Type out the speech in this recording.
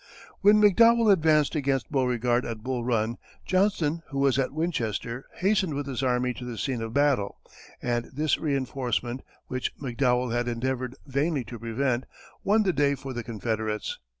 When McDowell advanced against Beauregard at Bull Run, Johnston, who was at Winchester, hastened with his army to the scene of battle, and this reinforcement, which McDowell had endeavored vainly to prevent, won the day for the Confederates.